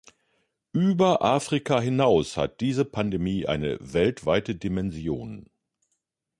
Über Afrika hinaus hat diese Pandemie eine weltweite Dimension.